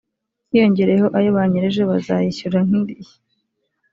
hiyongereyeho ayo banyereje bazayishyura nk’indishyi